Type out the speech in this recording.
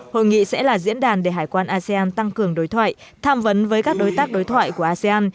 hội nghị sẽ là diễn đàn để hải quan asean tăng cường đối thoại tham vấn với các đối tác đối thoại của asean